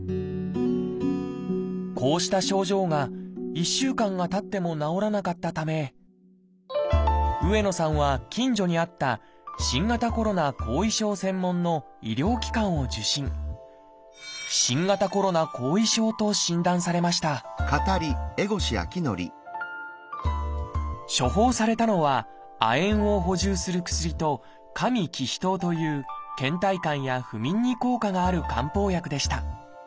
こうした症状が１週間がたっても治らなかったため上野さんは近所にあった新型コロナ後遺症専門の医療機関を受診と診断されました処方されたのは亜鉛を補充する薬と「加味帰脾湯」というけん怠感や不眠に効果がある漢方薬でした。